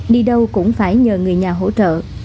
đi đâu cũng phải nhờ người nhà hỗ trợ